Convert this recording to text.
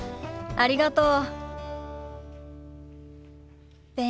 ありがとう。